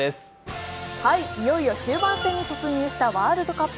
いよいよ終盤戦に突入したワールドカップ。